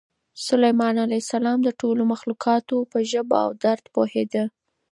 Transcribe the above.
سلیمان علیه السلام د ټولو مخلوقاتو په ژبه او درد پوهېده.